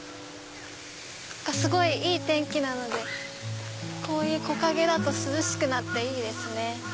すごいいい天気なのでこういう木陰だと涼しくなっていいですね。